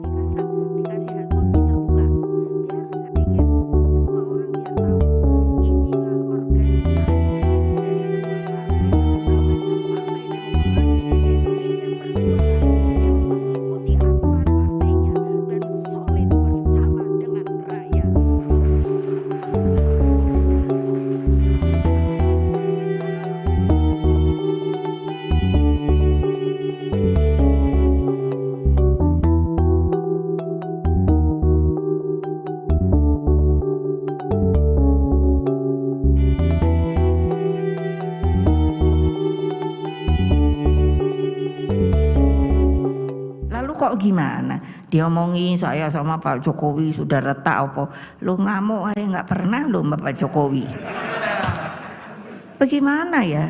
saya dikasih hasilnya terbuka biar bisa bikin semua orang yang tahu inilah organisasi dari sebuah partai yang merupakan partai yang berhasil di indonesia berjuang yang mengikuti aturan partainya dan solid bersama dengan rakyat